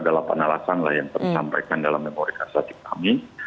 ada delapan alasan lah yang tersampaikan dalam memori kasasi kami